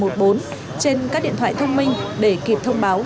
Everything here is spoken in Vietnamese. trên các điện thoại thông minh để kịp thông báo